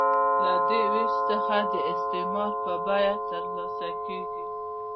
له دې وېش څخه د استثمار بیه ترلاسه کېږي